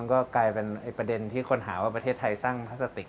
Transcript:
ก็กลายเป็นประเด็นที่คนหาว่าประเทศไทยสร้างพลาสติก